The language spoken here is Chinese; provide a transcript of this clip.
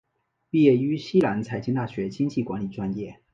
毕业于西南财经大学经济管理专业。